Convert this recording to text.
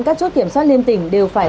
các chốt kiểm soát liên tỉnh đều phải